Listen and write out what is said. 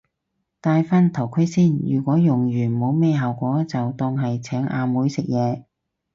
戴返頭盔先，如果用完冇咩效果就當係請阿妹食嘢